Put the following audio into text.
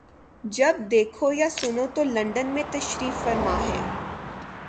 جب دیکھو یا سنو تو لندن میں تشریف فرما ہیں۔